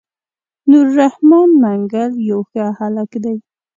نور رحمن منګل يو ښه هلک دی.